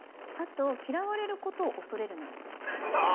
嫌われることを恐れるな。